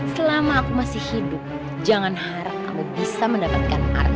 selama aku masih hidup jangan harap kamu bisa mendapatkan arti